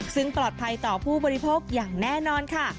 ซึ่งปลอดภัยต่อผู้บริโภคอย่างแน่นอนค่ะ